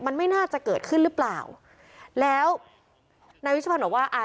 มันไม่น่าจะเกิดขึ้นหรือเปล่าแล้วนายวิชพันธ์บอกว่าอ่า